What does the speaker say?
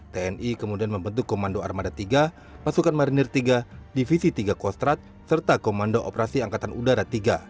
tni kemudian membentuk komando armada tiga pasukan marinir tiga divisi tiga kostrat serta komando operasi angkatan udara tiga